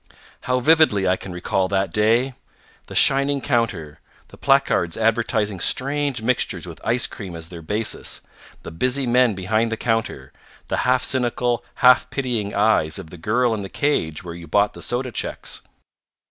How vividly I can recall that day! The shining counter, the placards advertising strange mixtures with ice cream as their basis, the busy men behind the counter, the half cynical, half pitying eyes of the girl in the cage where you bought the soda checks.